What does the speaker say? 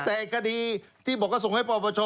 แต่คดีที่บอกว่าส่งให้ปปช